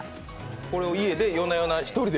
これを家で夜な夜な１人で？